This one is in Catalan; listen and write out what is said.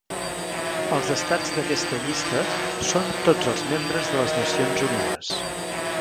Els estats d'aquesta llista són tots els membres de les Nacions Unides.